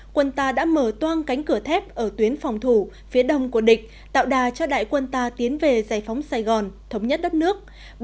quân ta đã mở toan cánh cửa thép ở tuyến phòng thủ phía đông của địch tạo đà cho đại quân ta tiến về giải phóng sài gòn thống nhất đất nước